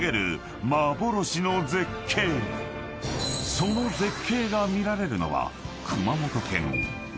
［その絶景が見られるのは］